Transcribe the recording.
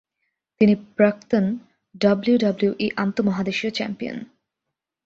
তিনি প্রাক্তন ডাব্লিউডাব্লিউই আন্তঃমহাদেশীয় চ্যাম্পিয়ন।